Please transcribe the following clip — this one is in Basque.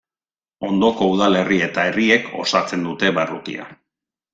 Ondoko udalerri eta herriek osatzen dute barrutia.